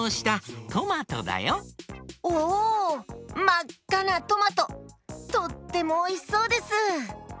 まっかなトマトとってもおいしそうです！